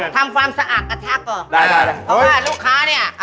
พิงซี่